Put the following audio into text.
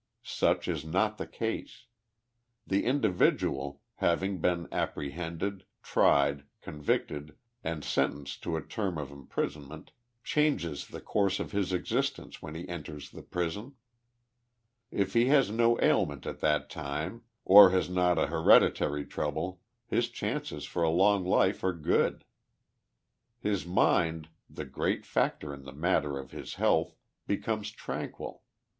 Such is not the case. The individual, having been apprehended, tried, convicted and sentenced to a term of imprisonment, changes the course of his existence when he enters the prison. If he has no ailment at that time, or has not an he reditary trouble, his chances for a long life are good. Ilis mind, the great factor in the matter of his health, becomes tranquil.